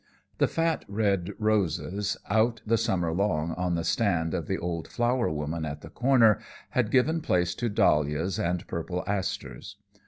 The fat red roses, out the summer long on the stand of the old flower woman at the corner, had given place to dahlias and purple asters.